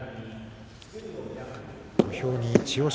土俵に千代翔